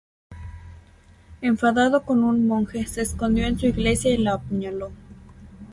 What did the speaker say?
Enfadado con un monje, se escondió en su iglesia y le apuñaló.